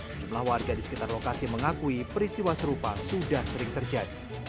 sejumlah warga di sekitar lokasi mengakui peristiwa serupa sudah sering terjadi